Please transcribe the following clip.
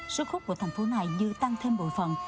sức khúc của thành phố này như tăng thêm bộ phận